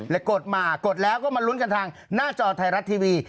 และกดมากดแล้วก็มาลุ้นกันทางหน้าจอไทยรัฐทีวี